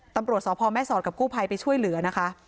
ตำรวจสพแม่สอดกับกู้ภัยไปช่วยเหลือนะคะ